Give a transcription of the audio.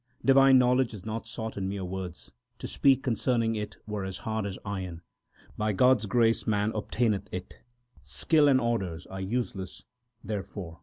Divine knowledge is not sought in mere words ; to speak concerning it were as hard as iron ; By God s grace man obtaineth it ; skill and orders are useless therefor.